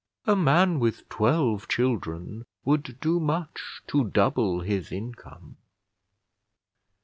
A man with twelve children would do much to double his income.